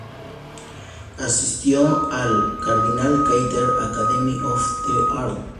Asistió al "Cardinal Carter Academy of The Arts".